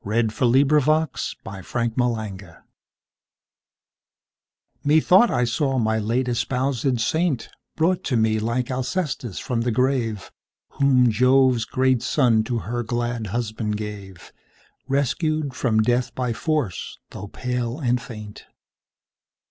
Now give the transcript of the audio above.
1909ŌĆō14. 317 On his Deceased Wife METHOUGHT I saw my late espoused saintBrought to me like Alcestis from the grave, Whom Jove's great son to her glad husband gave, Rescued from Death by force, though pale and faint.